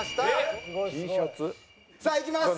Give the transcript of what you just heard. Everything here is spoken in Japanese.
さあいきます。